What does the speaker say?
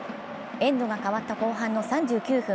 エンドが変わった後半の３９分。